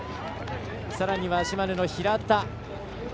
さらには島根の平田。